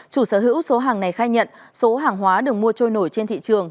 chủ sở hữu số hàng này khai nhận số hàng hóa đường mua trôi nổi trên thị trường